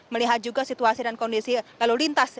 melihat juga situasi dan kondisi lalu lintas